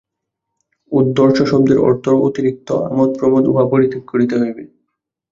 উদ্ধর্ষ-শব্দের অর্থ অতিরিক্ত আমোদ-প্রমোদ, উহা পরিত্যাগ করিতে হইবে।